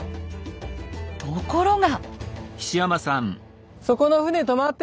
ところが。